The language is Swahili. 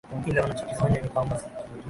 ila wanachokifanya ni kwamba